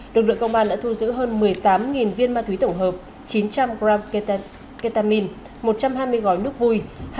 lực lượng công an đã thu giữ hơn một mươi tám viên ma túy tổng hợp chín trăm linh gram ketamine một trăm hai mươi gói nước vui